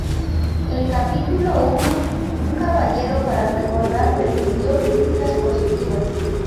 El Capítulo I: Un Caballero para Recordar recibió críticas positivas.